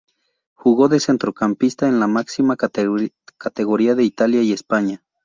Jugó de centrocampista en la máxima categoría de Italia y España.